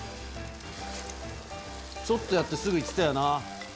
ちょっとやってすぐいってたよな。